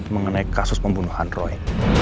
mengenai kasus pembunuhan roy